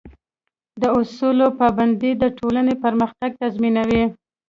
د اصولو پابندي د ټولنې پرمختګ تضمینوي.